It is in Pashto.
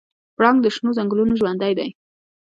پړانګ د شنو ځنګلونو ژوندی دی.